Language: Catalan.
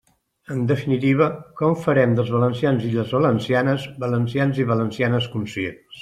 En definitiva, ¿com farem dels valencians i les valencianes valencians i valencianes conscients?